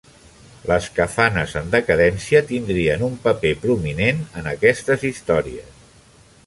Les kafanes en decadència tindrien un paper prominent en aquestes històries.